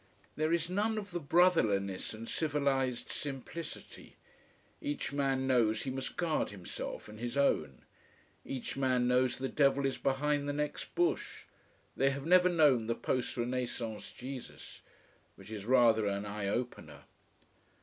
There is none of the brotherliness and civilised simplicity. Each man knows he must guard himself and his own: each man knows the devil is behind the next bush. They have never known the post Renaissance Jesus. Which is rather an eye opener.